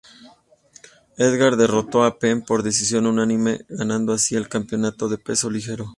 Edgar derrotó a Penn por decisión unánime, ganando así el campeonato de peso ligero.